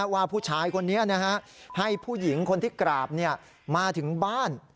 ว่าผู้ชายคนนี้ให้ผู้หญิงคนที่กราบมาถึงบ้าน